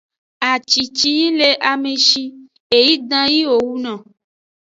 Aci ci yi le ame shi yi ʼdan yi wo wuno.